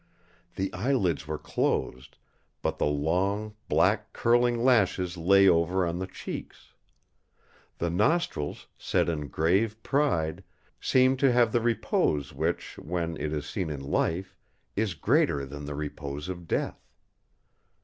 The eyelids were closed; but the long, black, curling lashes lay over on the cheeks. The nostrils, set in grave pride, seemed to have the repose which, when it is seen in life, is greater than the repose of death.